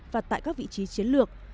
và tại các vị trí chiến lược